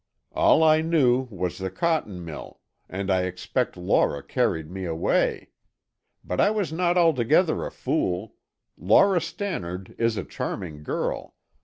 All I knew was the cotton mill, and I expect Laura carried me away. But I was not altogether a fool; Laura Stannard is a charming girl.